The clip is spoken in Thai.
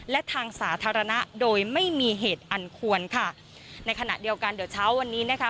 และทางสาธารณะโดยไม่มีเหตุอันควรค่ะในขณะเดียวกันเดี๋ยวเช้าวันนี้นะคะ